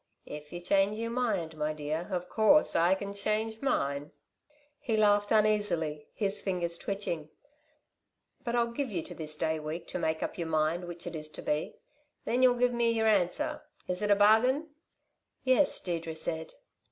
"If you change y'r mind, my dear, of course I can change mine." He laughed uneasily, his fingers twitching. "But I'll give you till this day week to make up y'r mind which it is to be. Then you give me y'r answer. Is it a bargain?" "Yes," Deirdre said.